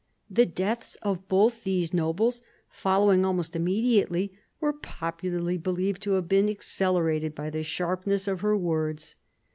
The deaths of both these nobles following almost immediately were popularly believed to have been accelerated by the sharpness of her words.